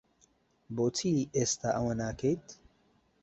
بۆچی ئێستا ئەوە ناکەیت؟